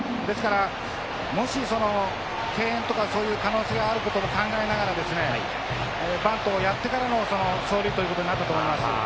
ですからもし敬遠とかそういう可能性があることも考えながらですねバントをやってからの走塁ということになったと思います。